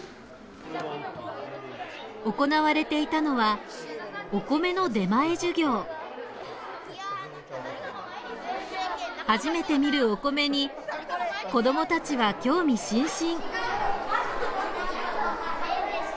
行われていたのは初めて見るお米に子どもたちは興味津々。